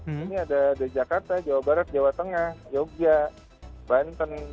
ini ada di jakarta jawa barat jawa tengah jogja banten